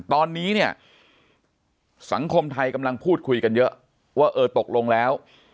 ตอนนี้เนี่ยสังคมไทยกำลังพูดคุยกันเยอะว่าเออตกลงแล้ว